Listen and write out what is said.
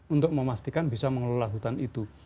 untuk memastikan bisa mengelola hutan itu